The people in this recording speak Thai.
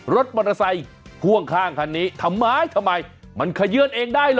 รถมอเตอร์ไซค์พ่วงข้างคันนี้ทำไมทำไมมันขยื่นเองได้เหรอ